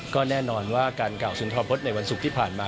ก็แน่นอนว่าการกล่าวสุนทรพฤษในวันศุกร์ที่ผ่านมา